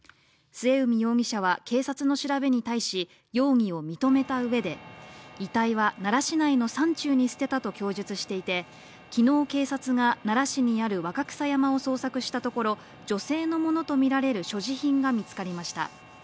末海容疑者は警察の調べに対し容疑を認めたうえで遺体は奈良市内の山中に捨てたと供述していて、昨日、警察が奈良市にある若草山を捜索したところ女性のものとみられる所持品が見つかりました。